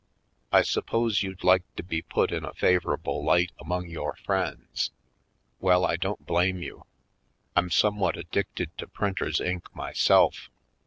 I suppose you'd like to be put in a favorable light among your friends. Well, I don't blame you. I'm somewhat addicted to printers' ink myself.